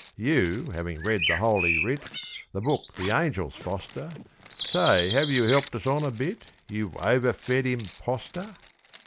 You, having read the Holy Writ The Book the angels foster Say have you helped us on a bit, You overfed impostor?